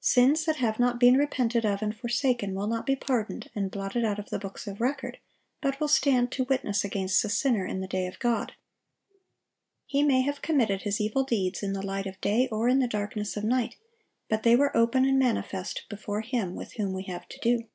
Sins that have not been repented of and forsaken will not be pardoned, and blotted out of the books of record, but will stand to witness against the sinner in the day of God. He may have committed his evil deeds in the light of day or in the darkness of night; but they were open and manifest before Him with whom we have to do.